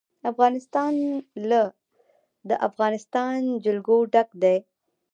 افغانستان له د افغانستان جلکو ډک دی.